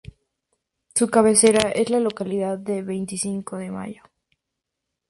Su cabecera es la localidad de Veinticinco de Mayo.